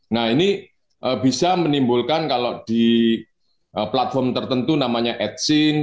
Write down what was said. nah ini bisa menimbulkan kalau di platform tertentu namanya ed scene